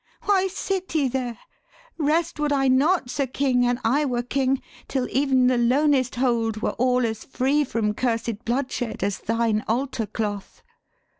Why sit ye there? Rest would I not, Sir King, an I were king, Till ev'n the lonest hold were all as free From cursed bloodshed, as thine altar cloth."